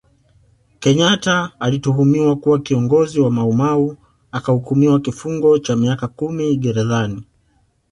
Kenyatta alituhumiwa kuwa kiongozi wa maumau akahukumiwa kifungo cha miaka kumi gerezani